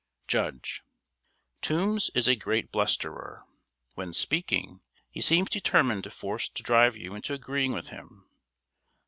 ] JUDGE. Toombs is a great blusterer. When speaking, he seems determined to force, to drive you into agreeing with him.